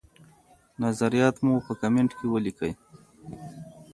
نظریات مو په کمنټ کي ولیکئ.